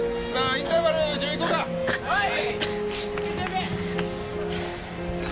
はい！